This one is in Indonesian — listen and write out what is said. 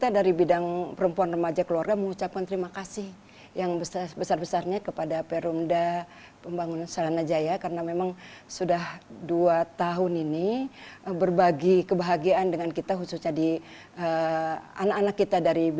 dan bersama kami indonesia forward masih akan kembali sesaat lagi